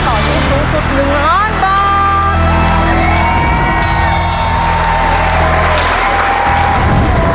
ตอบถูก๓ข้อรับ๑๐๐๐บาท